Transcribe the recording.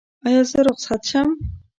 ایا زه رخصت شم؟